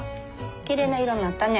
きれいな色になったね。